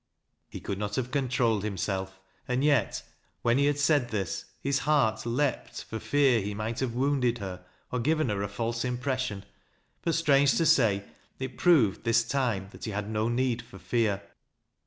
He could not have controlled himself. And yet, when he had said this, his heart leaped for fear he might liavf THE OLD DANGER 17 1 wounded her or given her a false impression. But strange to say, it proved this time that he had no need for fear.